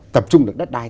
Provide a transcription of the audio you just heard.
tập trung được đất đai